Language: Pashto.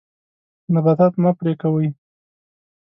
نباتات مه پرې کوئ.